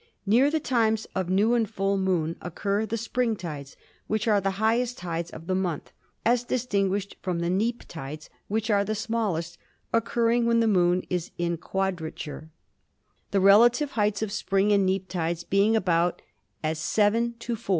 Near the times of new and full moon occur the "spring tides," which are the highest tides of the month as distinguished from the "neap tides," which are the smallest, occurring when the Moon is in quadrature, THE EARTH 161 the relative heights of spring and neap tides being about as 7 to 4.